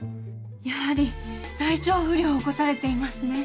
やはり体調不良を起こされていますね。